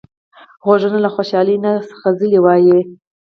غوږونه له خوشحالۍ نه سندره وايي